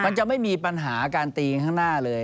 มันจะไม่มีปัญหาการตีกันข้างหน้าเลย